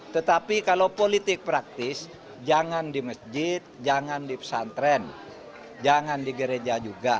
tetapi kalau politik praktis jangan di masjid jangan di pesantren jangan di gereja juga